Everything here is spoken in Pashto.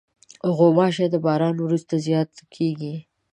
غوماشې د باران وروسته زیاتې کېږي.